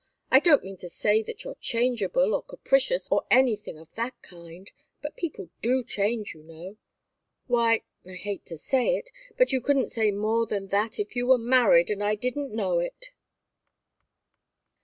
I don't mean to say that you're changeable, or capricious, or anything of that kind but people do change, you know. Why I hate to say it but you couldn't say more than that if you were married and I didn't know it!"